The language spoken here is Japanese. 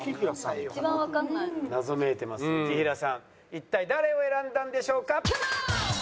一体誰を選んだんでしょうか？